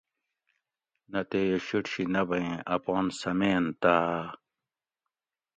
نہ تے یہ شِیٹ شی نہ بھئیں اپان سمینتاۤ